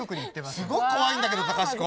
すごく怖いんだけど隆子。